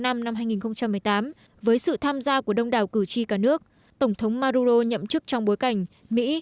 năm hai nghìn một mươi tám với sự tham gia của đông đảo cử tri cả nước tổng thống maduro nhậm chức trong bối cảnh mỹ